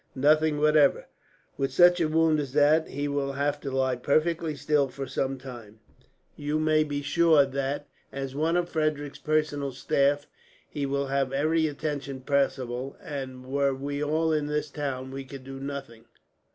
"Nothing whatever. With such a wound as that, he will have to lie perfectly still for some time. You may be sure that, as one of Frederick's personal staff, he will have every attention possible; and were we all in the town, we could do nothing.